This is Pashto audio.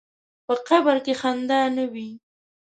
په قبر کې خندا نه وي.